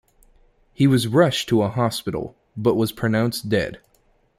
He was rushed to a hospital but was pronounced dead.